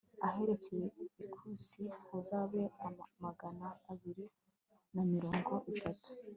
aherekeye ikusi hazabe magana abiri na mirongo itatu